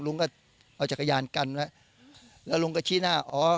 ลุงก็เอาจักรยานกันไว้แล้วลุงก็ชี้หน้าอ๋อ